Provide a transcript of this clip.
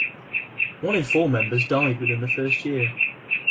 One in four members died within the first year.